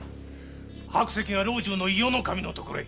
白石が老中の伊予守の所へ。